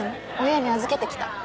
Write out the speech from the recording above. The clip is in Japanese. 親に預けてきた。